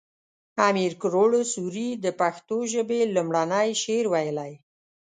امیر کروړ سوري د پښتو ژبې لومړنی شعر ويلی